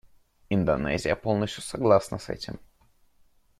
Индонезия полностью согласна с этим.